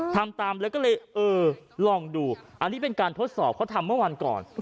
ทำตามแล้วก็เลยเออลองดูอันนี้เป็นการทดสอบเขาทำเมื่อวันก่อน